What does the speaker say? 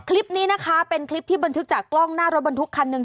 คลิปนี้นะคะเป็นคลิปที่บันทึกจากกล้องหน้ารถบรรทุกคันหนึ่ง